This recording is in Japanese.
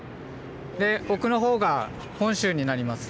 で奥の方が本州になります。